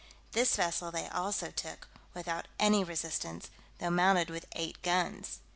This vessel they also took, without any resistance, though mounted with eight guns.